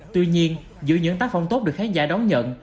tuy nhiên giữa những tác phẩm tốt được khán giả đón nhận